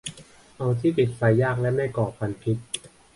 เอาที่ติดไฟยากและไม่ก่อควันพิษ